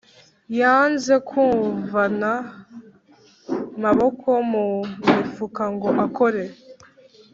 yanze kuvana maboko mu mufuka ngo akore